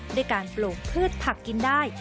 ด้วยการปลูกพืชผักกินได้